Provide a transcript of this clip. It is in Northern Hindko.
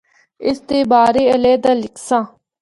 اس دے بارے علیحدہ لکھساں۔